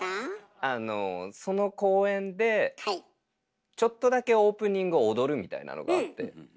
その公演でちょっとだけオープニング踊るみたいなのがあって。